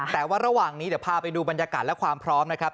แต่ว่าระหว่างนี้เดี๋ยวพาไปดูบรรยากาศและความพร้อมนะครับ